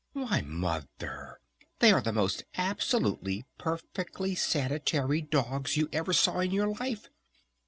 "Why Mother, they are the most absolutely perfectly sanitary dogs you ever saw in your life!"